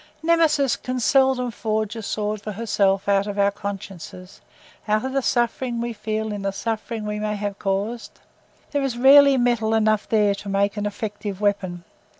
Nemesis can seldom forge a sword for herself out of our consciences—out of the suffering we feel in the suffering we may have caused: there is rarely metal enough there to make an effective weapon.